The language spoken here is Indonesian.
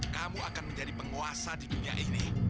kamu akan menjadi penguasa di dunia ini